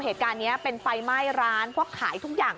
เหตุการณ์นี้เป็นไฟไหม้ร้านพวกขายทุกอย่าง